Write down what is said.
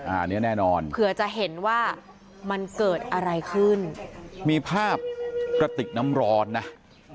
อันนี้แน่นอนเผื่อจะเห็นว่ามันเกิดอะไรขึ้นมีภาพกระติกน้ำร้อนนะ